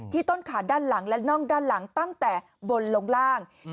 ต้นขาด้านหลังและน่องด้านหลังตั้งแต่บนลงล่าง